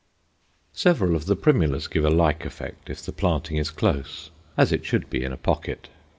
Several of the primulas give a like effect if the planting is close as it should be in a pocket.